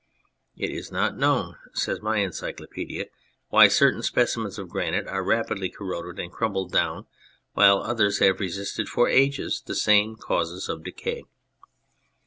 " It is not known " (says my Encyclopaedia) "why certain specimens of granite are rapidly cor roded and crumbled down, while others have resisted for ages the same causes of decay."